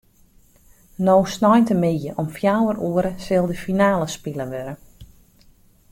No sneintemiddei om fjouwer oere sil de finale spile wurde.